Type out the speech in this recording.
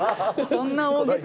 そんな大げさ。